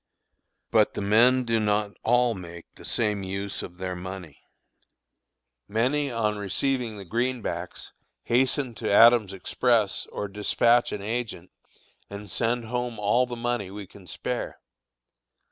But the men do not all make the same use of their money. Many on receiving the "greenbacks" hasten to Adams' Express or despatch an agent, and send home all the money we can spare.